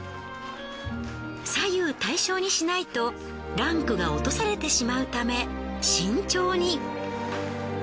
左右対称にしないとランクが落とされてしまうため慎重に。